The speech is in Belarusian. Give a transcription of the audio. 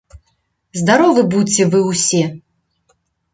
Здаровы будзьце вы ўсе!